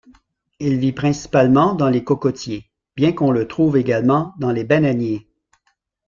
Il vit principalement dans les cocotiers, bien qu'on le trouve également dans les bananiers.